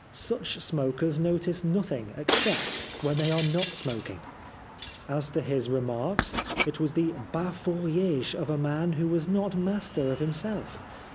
Such smokers notice nothing except when they are not smok ing. As to his remarks, it was the bafouillcege of a man who was not master of himself.